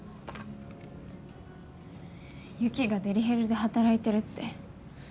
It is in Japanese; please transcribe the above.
雪がデリヘルで働いてるって。